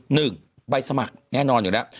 หนึ่งใบสมัครแน่นอนอยู่แล้ว